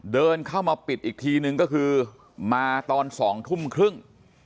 เดินเข้ามาปิดอีกทีนึงก็คือมาตอน๒ทุ่มครึ่ง